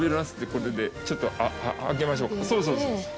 そうそう、そうそう。